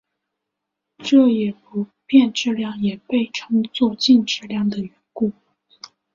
这也是不变质量也被称作静质量的缘故。